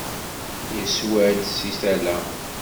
Yeswa-d seg tala.